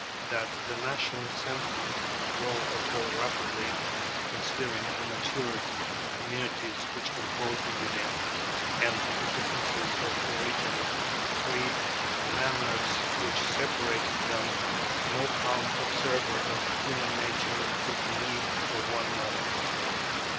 That the national sentiment could grow at all rapidly, considering the maturity of the communities which composed the Union and the differences of origin, creed, and manners which separated them, no calm observer of human nature would believe for one moment.